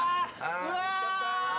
・うわ！